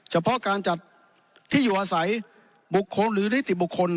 เฉพาะการจัดที่อยู่อาศัยบุคคลหรือนิติบุคคล